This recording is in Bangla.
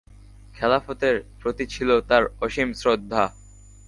খেলাফতের প্রতি ছিল তার অসীম শ্রদ্ধা।